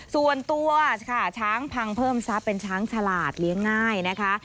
ส่วนตัวค่ะช้างพังเพิ่มทรัพย์เป็นช้างฉลาดเลี้ยงง่ายนะคะ